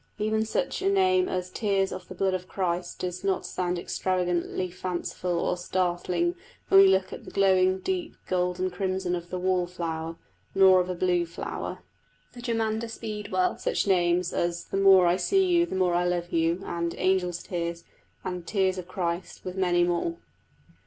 Even such a name as Tears of the blood of Christ does not sound extravagantly fanciful or startling when we look at the glowing deep golden crimson of the wall flower; nor of a blue flower, the germander speedwell, such names as The more I see you the more I love you, and Angels' tears, and Tears of Christ, with many more.